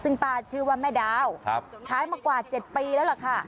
ซึ่งป้าชื่อว่าแม่ดาวขายมากว่า๗ปีแล้วล่ะค่ะ